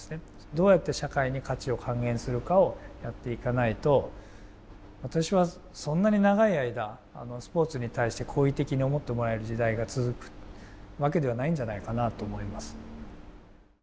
どうやって社会に価値を還元するかをやっていかないと私は、そんなに長い間スポーツに対して好意的に思ってもらえる時代が続くわけではないんじゃないかなと思います。